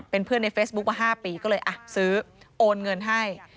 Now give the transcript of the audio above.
เป็นเพื่อนในเฟซบุ๊กมา๕ปีก็เลยซื้อโอนเงินให้